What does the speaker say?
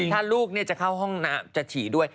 ถ้าลูกจะเข้าห้องน้ำจะฉี่ด้วย